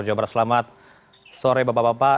jom bereselamat sore bapak bapak